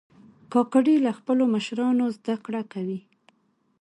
کاکړي له خپلو مشرانو زده کړه کوي.